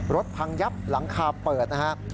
พังยับหลังคาเปิดนะครับ